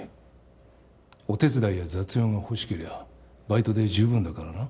お手伝いや雑用が欲しけりゃバイトで十分だからな。